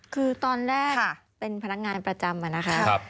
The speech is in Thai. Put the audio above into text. คือตอนแรกเป็นพนักงานประจำอะนะคะ